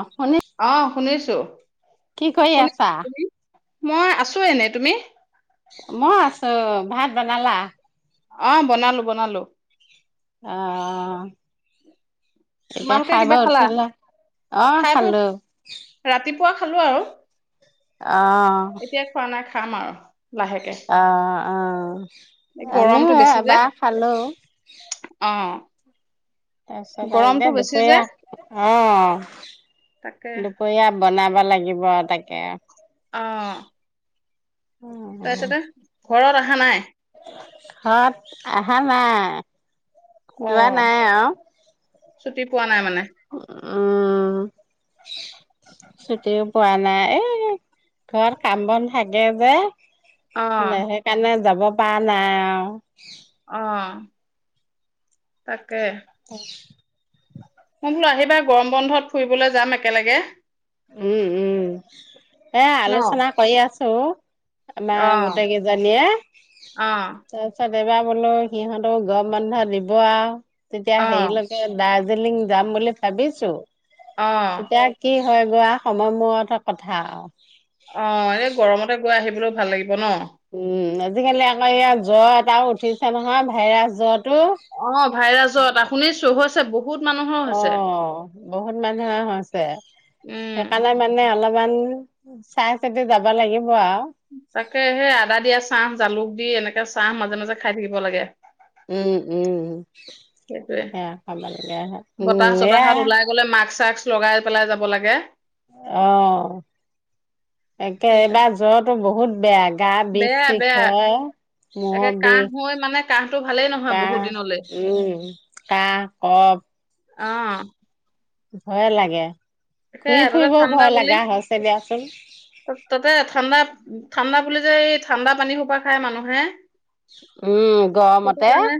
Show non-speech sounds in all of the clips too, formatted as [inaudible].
অ শুনি অহ ', শুনিছো। ছ কি কৰি আছা? মই আছো এনে তুমি? মই আছো ভাত বনালা? অহ ', বনালো - বনালো। আহ', এতিয়া তোমালোকে খাই ব কিবা খালা উঠিলে অহ ', খালো। পোৱা খালো আৰু। অহ ', এতিয়া খোৱা নাই খাম আৰু লাহেকে অহ ', অঁহ এই ', আমিও গৰমটো বেছি যে এবাৰ খালো। অ তাৰপিছত আৰুতি গৰমটো বেছি যে দুপৰীয়া অহ তাকে ', দুপৰীয়া বনাব লাগে লাগিব তাকে। অহ ', উম', হ ঘৰত অহা নাই। ঘৰত অহা নাই। অ যোৱা নাই ছুটি পোৱা নাই মানে আৰু উম', ছুটিও পোৱা নাই এহ ঘৰত কাম বন থাগে যে। অ ন সেইকাৰণে যাব। বা নাই অহ ', অহ ', তাক ত [inaudible] মই বোলো আহিবা গৰম বন্ধত ফুৰিবলৈ যাম একেলগে। উম', - উম', এহ ', ন আলোচনা কৰি আছো। চ মা অ গোট কি জানিয়ে অ তাৰ চত বা বোলো সিহঁতক গম বন্ধা দিব আৰু তেতিয়া অ হেৰিলৈকে দ দাৰ্জিলিং যাম বুলি ভাবিছো অ এয়া কি হৈ গৈ আৰু সময় মূয়তে হে কথা অ এই গৰমতে গৈ ভাল লাগিব ন উম আজিকালি আকৌ ইয়াত জ্বৰ এটাও উঠিছে নহয় ভাইৰাছ জ্বৰ অ ভাইৰাছ জ্বৰ এটা শুনিছো [inaudible] অ হৈছে। বহুত মানুহে হৈছে উম সেইকাৰণে মানে অলপ ইমান চাই চাই যাবা লাগিব আৰু তাকে সেই আদা দিয়া চাহ জালুক দি এনেকে চাহ মাজে মাজে খাই থাকিব লাগে উম উম সেইটোয়ে সে খালে বতাহ উম এ চতাহত ওলাই গলে মাস্ক চাস্ক লগাই পেলাই যাব লাগে অ একে সেয়া এইবাৰ জ্বৰতো বহুত বেয়া গা বিষ বেয়া শষ বেয়া হয় একে মূৰৰ কাহ বিষ হৈ মানে কাহটো ভালেই নহয় বহুত কাহঁ দিনলে উম কাহঁ কফ অ। ভয়ে লাগে ঘুৰি সেয়াই তাতে ফুৰিবও ঠাণ্ডা ভয় বুলি লগা হৈছে দিয়াচোন উ ঠাণ্ডা বুলি যে এই ঠাণ্ডা পানী সোপা খাই মানুহে উম সেইটো গৰমতে কাৰণে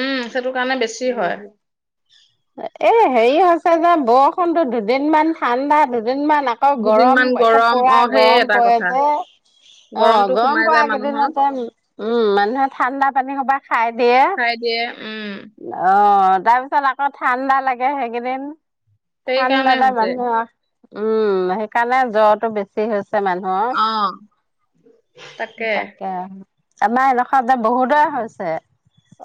উম সেইটো কাৰণে বেছি হয়। উ এ হেৰি হৈছে যে বৰষুণতো দুদিন মান ঠাণ্ডা কেইদিনমান আকৌ গৰম দুদিনমান একে গৰম পোৰা অ সেই গৰম এটা পৰে কথা যে অ গৰমটো গৰম সোমাই প যায় মানুহৰ কেইদিনতে উম মানুহে ঠাণ্ডা পানী সোপা খাই দিয়ে খাই দিয়ে উম অ তাৰপিছত আকৌ ঠাণ্ডা লাগে সেইকেইদিন সেইকাৰণে ঠাণ্ডাতে হৈছে মানুহৰ উম সেইকাৰণে জ্বৰটো বেছি হৈছে চ মানুহৰ উ তাকে আমাৰ এডোখৰত যে বহুতৰে হৈছে।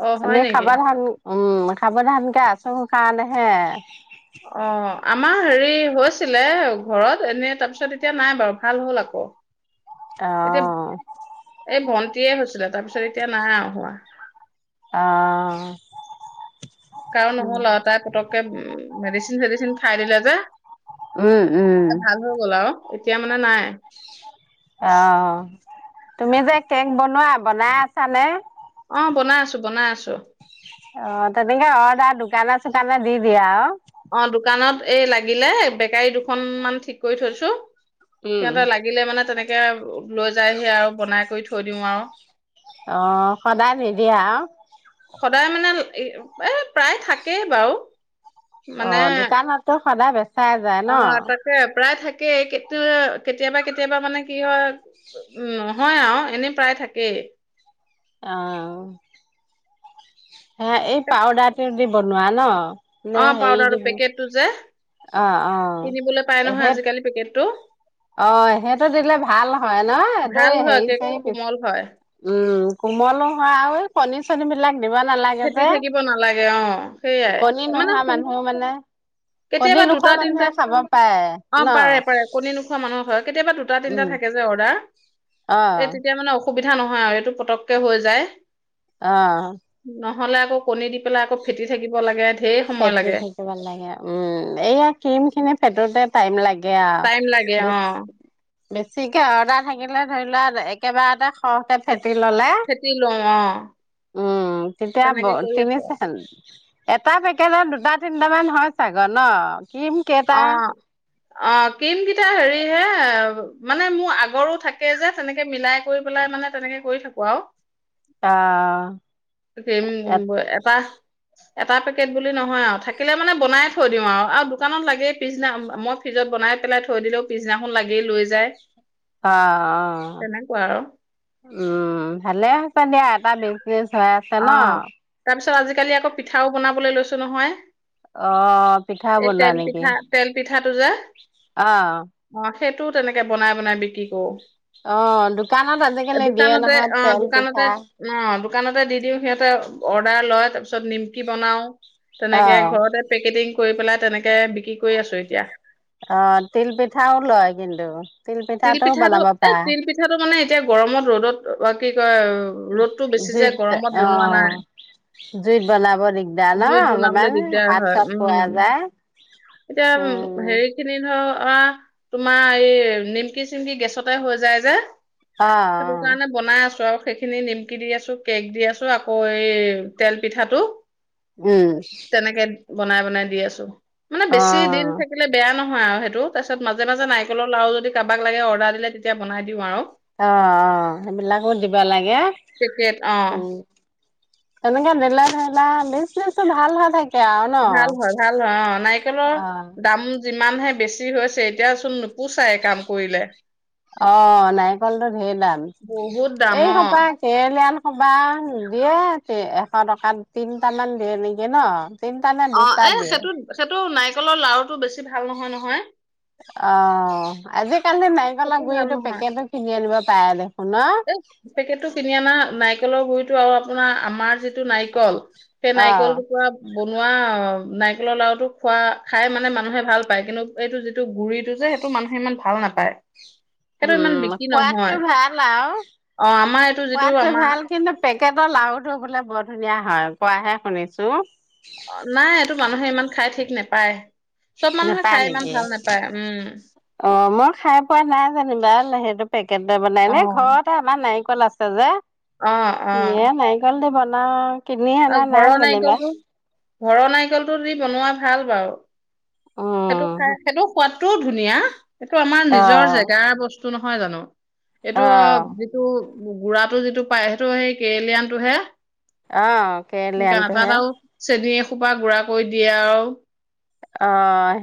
অ হয় আমি নেকি সাৱধান উম, সাবধানকে আছো সেই কাৰণেহে। অঁ, আমাৰ হেৰি হৈছিলে ঘৰত এনে তাৰ পিছত এতিয়া নাই বাৰু ভাল হ'ল আকৌ। অঁ। তিয়ে হৈছিলে তাৰপিছত এতিয়া নাই আও হোৱা। অঁ। কাৰো নহ'ল আৰু তাই পতকে উম মেডিচিন চেডিচিন খাই দিলে যে। উম উম। ভাল হৈ গ'ল আৰু এতিয়া মানে নাই। অঁ। তুমি যে কেক বনোৱা, বনাই আছানে? অঁ বনাই আছো বনাই আছো। অঁ তেনেকে অৰ্ডাৰ দোকানে চোকানে দি দিয়া আৰু। অঁ দোকানত এই লাগিলে বেকাৰী দুখন মান ঠিক কৰি থৈছো। উম সিহঁতৰ লাগিলে মানে তেনেকে একে লৈ যাই হি আৰু বনাই কৰি থৈ দিওঁ আৰু। অঁ সদায় নিদিয়া আৰু। সদায় মানে এ প্ৰায় থাকেই বাৰু। অঁ, দোকানতো সদায় বেছ অঁ তাকে, প্ৰায় থাক তাকেই কেতিয়াবা -কেতিয়াবা মানে কি হয় উম নহয় আৰু এনেই প্ৰায় থাকেই। অঁ। [inaudible] হয়, এই পাউডাৰ দি বনোৱা ন। নে অঁ হেৰি পাউদাৰটো দিব পেকেটটো যে। অ অ কিনিবলৈ পাই নহয় আজিকালি পেকেট এইটো অঁ সেইটো দিলে ভাল হয় ন, এইটো ভাল এ হয় হেৰি কেকটো চেৰী বে, কোমল হয়, উম কোমলো হয় আৰু। পনীৰ চনীৰ মিলাই খেতি থাকিব নালাগে অঁ, সেইয়াই, কণী মানে নোহোৱা সোন মানুহ মানে কণী কেতিয়াবা দুটা নোখোৱা তিনটা মানুহে খাব পাৰে, ন। খোৱা মানুহ হয় কেতিয়াবা দুটা তিনটা উম থাকে যে অৰ্ডাৰ। হাঁ অ এ তেতিয়া মানে অসুবিধা নহয় আৰু এইটো পতককে হৈ যায়। আহ। নহ'লে আকৌ কণী দি পেলাই আকৌ ফেটি থাকিব লাগে। ঢেৰ সময় ফেতি লাগে। থাকিব লাগে উম।। উম এইয়া ক্ৰীম খিনি ফেটোতে।। টাইম লাগে।। টাইম লাগে আৰু অ। বেছ বেছিকে অৰ্দাৰ থাকিলে ধৰি লোৱা একেবাৰতে খৰহকে ফেট।। ললে ফেটি লওঁ অ উম সেই তেতিয়া তেনেকে কৰি তিনি আছো [inaudible] এটা ফেটি।। ফেটিলে দুটা তিনিটামান হয় চাগয় ন? কিম কেইটা অ অ ক্ৰীম কেইটা হেৰি হে।। মানে মোৰ আগৰো থাকে যে, তেনেকে মিলাই কৰি পেলাই মানে তেনেকে কৰি থাকো। আৰু অহ। তম এপা [inaudible] এটা পেকেট বুলি নহয় আৰু থাকিলে মানে বনাই থৈ দিওঁ আৰু আৰু দোকানত লাগেই পিছদিনা। মই ফ্ৰিজত বনাই পেলাই থৈ দিলেও পিছদিনাখন লাগেই লৈ যায়। অ অ তেনেকুৱা আৰু উম ভালে হৈছে দিয়া। পালো। [inaudible] ত আজিকালি আকৌ পিঠাও বনাবলৈ লৈছো নহয়। অহ পিঠাও এই বনোৱা তেল নেকি? পিঠা তেল পিঠাটো যে অহ অ', সেইটোও তেনেকে বনাই বনাই বিক্ৰী কৰো। অহ, দোকানত আজিকালি দিয়ে দোকানতে নহয়। তেল পিঠা তাতে দি দিওঁ সিহঁতে অৰ্ডাৰ লয়। তাৰ পিছত নিমকি বনাও। অ তেনেকে ঘৰতে পেকেটিং।। কৰি পেলাই তেনেকে বিক্ৰী কৰি আছো। এতিয়া অহ তিল পিঠাও লয় কিন্তু। তিল তিলপিঠাটোও পিঠাটো বনাব পাৰা। বাকী কৰে আৰু।। ৰ'দটো বেছি যে।। জুইত গৰমত অ বনোৱা নাই, জুইত বনাব দিগদাৰ ন জুইত বনাবলৈ অলপমান দিগদাৰ হাত হয় চাত পোৰা উম। যায়। উ অ ধৰা, তোমাৰ এই নিমকি চিমকি গেছতে হৈ যায় যে। অ অ সেইটো কাৰণে বনাই আছোঁ আৰু সেই।। খিনি নিমকি দি আছোঁ। কেক্ দি আছো আকৌ এই তেল পিঠাটো।। উম। তেনেকে বনাই বনাই দি আছোঁ। মানে অ বেছি দিন থাকিলে বেয়া নহ। অ আৰু সেইটো তাৰপছত মাজে মাজে নাৰিকলৰ লাৰু যদি কাৰোবাক লাগে অৰ্ডাৰ দিলে তেতিয়া বনাই দিওঁ আৰু অ অ সেইবিলাকো দিবা লাগে কিকেত অ উম তেনেকে নেলা ধেলা বিজনেচটো ভাল হয় থাকে আৰু ন ভাল হয় ভাল হয় অ নাৰিকলৰ অ দাম যিমানহে বেছি হৈছে এতিয়া চোন নুপোচাই কাম কৰিলে অ নাৰিকলটো ঢেৰ দাম বহুত দাম এই অ সোপা কেৰেলীয়ান কবাত দিয়ে এশ টকাত তিনটামান দিয়ে নেকি ন তিনটা নে অ দুটা এ দিয়ে সেইটো সেইটো নাই নাৰিকলৰ লাৰুটো বেছি ভাল নহয় নহয় আজি [inaudible] আজিকালি নাৰিকলৰ সেইটো গুৰিতটো পেকেটটো কিনি নিব পাৰে দেখোন ন এ পেকেটটো কিনি অনা নাই নাৰিকলৰ গুৰিটো আৰু আপোনাৰ আমাৰ যিটো নাৰিকল সেই অ নাৰিকল টুকুৰা বোনোৱা নাৰিকলৰ লাডুটো খোৱা খাই মানে মানুহে ভাল পায় কিন্তু এইটো যিটো গুৰিটো যে সেইটো মানুহে ইমান ভাল নাপায় সেইটো ইমান উম বিক্ৰী নহয় সোৱাদটো ভাল আৰু অ আমাৰ এইটো যিটো সোৱাদটো আমা ভাল কিন্তু পেকেটৰ লাৰুটো বোলে বৰ ধুনীয়া হয় কোৱাহে শুনিছো অ নাই এইটো মানুহে ইমান খাই ঠিক নেপায় সব মানুহে নেপায় খাই ইমান নেকি? ভাল নাপায় উম অ' মই খাই পোৱা নাই জানিবা লাহেটো পেকেটে বনাই অ নে ঘৰতে আমাৰ নাই কল আছে যে অ অ ন নাই কাল দে বাল [unintelligible] না। আৰু ঘৰৰ নাৰিকলটো, ঘৰৰ নাৰিকলটো দি বনোৱা ভাল বাৰু। সেইটো উম, খাই সেইটো সোৱাদটোও ধুনীয়া সেইটো আমাৰ নিজৰ অ', জেগাৰ বস্তু। তোঁ নহয় জানো? এইটো অ যিটো। গুড়াতটো যিটো পায় সেইটো সেই কেৰেলিয়ানটোহে। আহ কেৰেলিয়নটোহে। খোপা গুড়া কৰি দিয়ে আৰু। অ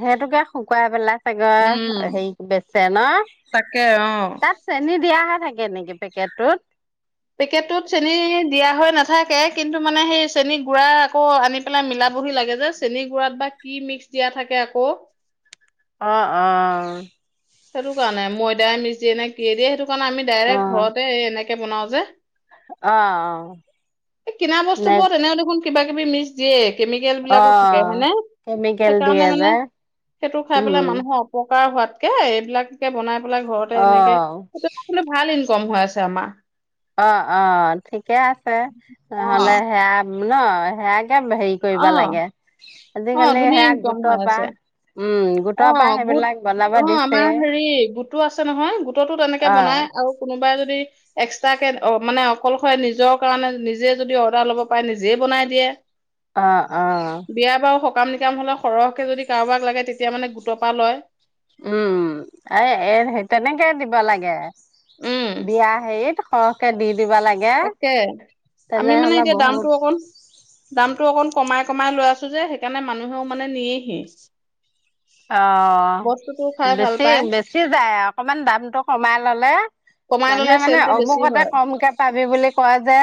সেইটোকে শুকুৱাই পেলাই। উম [unintelligible] হেৰি বেচে না তাকে অ তাত চেনী দিয়াহত। থাকে নেকি পেকেটটোত। পেকেটটোত চেনি দিয়া হয় না নাথাকে কিন্তু মানে সেই চেনী গুড়া আকৌ আনি পেলাই মিলাবহি লাগে যে, চেনী গুৰাত বা কি মিক্স দিয়া থাকে আকৌ। অ অ। সেইটো কাৰণে ময়দাই মিছ দিয় নে কিয়ে দিয়ে সেইটো। কণ আমি ডাইৰেক্ট অ', ঘৰতে এনেকে কে বনাও যে। অ', এই কিনা অ'। বস্তুবোৰ তেনেহ দেখোন। কিবাকিবি মিক্স। দিয়ে কেমিকেল অ বিলাকো থাকে হয়নে। কেমিকেল সেইকাৰণে দিয়ে যে মানে সেইটো খাই উম পেলাই মানুহৰ অপ [unintelligible] কে এইবিলাকাকে বনাই পেলাই ঘৰতে অ এনেকে সেই ভাল [unintelligible] কম হৈ আছে আমাৰ। অ অ ঠিক। ঠিকে আছে, অ নহ'লে সেয়া। ন সেয়াকে কে হেৰি কৰিব অ লাগে। অ আজিকালি ধুনীয়া সেয়া ইনকম গোটৰ হৈ পৰা আছে। উম অ গোটৰ পৰা গোট সেইবিলাক বনাব অ দিছে আমাৰ হেৰি গোটটো আছে নহয়, গোটতো তেনেকে অ বনাই আৰু কোনোবাই যদি এক্সট্ৰাকে মানে অকলশৰে নিজৰ কাৰণে নিজে যদি অৰ্ডাৰ ল'ব, পাৰে নিজেই বনাই দিয়ে। অ অ। বিয়া বাৰু সকাম নিকাম হলে সৰহকে যদি কাৰোবাক লাগে তেতিয়া মানে গোটপা লয়। উম এ এ তেনেকে দিব লাগে। উম বিয়া হেইত। সহকে দি। দিব লাগে তাকে আমি মানে তেনেহলে এতিয়া দামতটো বহুত অকণ দামতটো অকণ কমাই। কমাই লৈ আছো যে সেইকাৰণে মানুহেও মানে নিয়েহি। অহ বস্তুটো খাই ', ভাল বেছি পায় -বেছি যায় অকমান দামতটো কমাই ললে। কমাই মানুহে ললে মানে চেলটো বেছি অমুকতে হয় কমকে পাবি বুলি কোৱা যে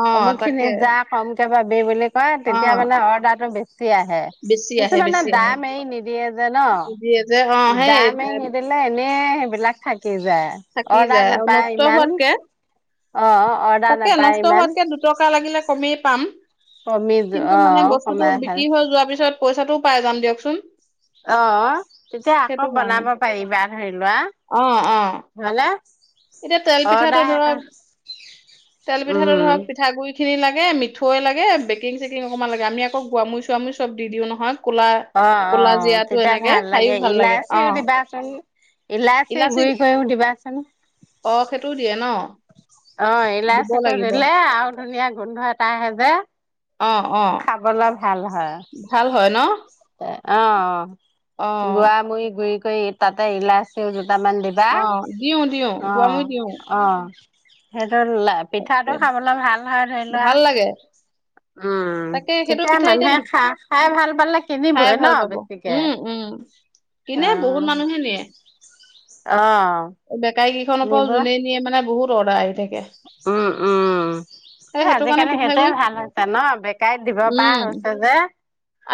অ অমুক খিনি তাকে যা কমকে পাবি। বেইবেলেগ হয় অ তেতিয়া মানে অৰ্ডাৰটো বেছি। আহে বেছি আহে কিছুমানে বেছি আহে দাম এৰি নিদ যে ন নিদিয়ে যে অ সেই দামে এ, নিদিলে। সেইবিলাক থাকে। কি যোয় থাকি অৰ্ডাৰ যায় আৰু নাপায় নষ্ট ইমান। হোৱাতকে অহ ', তাকে নষ্ট হোৱাতকে দুটকা লাগিলে কমেই পাম। কমি কিন্তু অ মানে বস্তুতো কমাই ভাল বিক্ৰী হৈ যোৱাৰ পিছত পইচাটো পাই। যাম দিয়কচোন। অহ ', তেতিয়া আকৌ সেইটো কাৰণে বনাব পাৰিবা ধৰি লোৱা অ অ হলে। এতিয়া তেল পিঠাটো ধৰক তেল পিঠাটো উম ধৰক পিঠাগুৰি। খিনি লাগে মিঠৈ লাগে বেকিং চেকিং অকমান লাগে আমি আকৌ গোৱামুৰি চোৱামুৰি চব দিওঁ নহয়। ক'লা অহ ', - ক'লা অহ ', জিৰাটো তেতিয়া এনেকে ভাল খায়ো লাগে ভাল ইলাইচি অ', দিবাচোন। ইলাচি গুৰি কৰিও দিবাচোন অ', সেইটোও দিয়ে ন? অহ ', দিব ইলাচীটো লাগিব। দিলে আৰু ধুনীয়া গোন্ধ এটা আহে যে। অহ ', - অহ ', খাবলৈ ভাল হয়ে অহ ', - অহ', অ', গোৱামৰি গুৰি তাতে এলাইচি টামান দিবা অ', দিওঁ দিওঁ অহ', গোৱামুৰি দিওঁ। - অহ', হেল পিঠাটো খাবলে ভাল হয় ধৰি লোৱা ভাল লাগে, উম', তাকে সেইটো তেতিয়া পিঠা এতিয়া মানুহে বি- খা খাই ভাল পালে। খাই কিনিবই ন ভাল পাব বেছিকে। উম', - উম', কিনে বহুত অ', মানুহে নিয়ে। অ দে গাইকেইখন আকৌ জুনে নিয়ে মানে বহুত অৰ্ডাৰ আহি থাকে। অ উম। সেই সেইটো কাৰণে আজিকালি সেইটোৱে পিঠাগুড়ি ভাল হৈছে ন বেকাইত দিব পৰা উম, হৈছে যে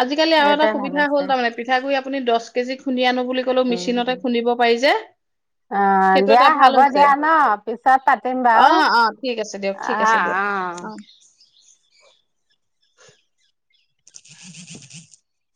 আজিকালি আৰু এটা ভাল সুবিধা হ'ল হৈছে। তাৰমানে পিঠাগুৰি আপুনি দহ কেজি খুন্দি আনো বুলি ক'লো মেচিনতে উম, খুন্দিব পাৰি যে। অ সেইটো দিয়া এটা হ'ব ভাল হৈছে। দিয়া ন পিছত পাতিম বাৰু অ', অ', ঠিক আছে দিয়ক, ঠিক অ। আছে দিয়ক, অঁ। অ'। [unintelligible]